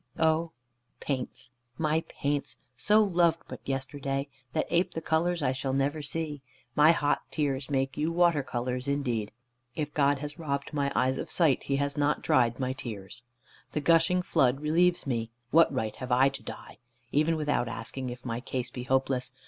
Oh paints, my paints, so loved but yesterday, that ape the colours I shall never see, my hot tears make you water colours indeed! If God has robbed my eyes of sight, He has not dried my tears. The gushing flood relieves me. What right have I to die? Even without asking if my case be hopeless!